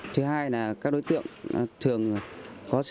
thứ hai là các đối tượng thường có sự